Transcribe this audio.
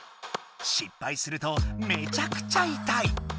しっぱいするとめちゃくちゃ痛い。